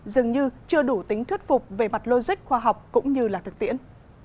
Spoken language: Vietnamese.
dường như chưa đủ tính thuyết phục về mặt logic khoa học cũng như là thực tiễn